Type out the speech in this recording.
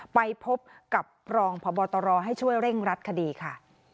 ไปพบกับรองพบตรให้ช่วยเร่งรัดคดีค่ะ